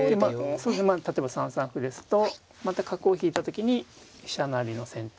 そうですねまあ例えば３三歩ですとまた角を引いた時に飛車成りの先手。